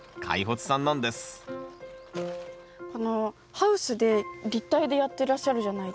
ハウスで立体でやってらっしゃるじゃないですか。